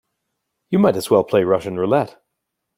You might as well play Russian roulette.